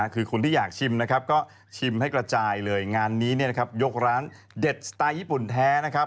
คือคนที่อยากชิมนะครับก็ชิมให้กระจายเลยงานนี้เนี่ยนะครับยกร้านเด็ดสไตล์ญี่ปุ่นแท้นะครับ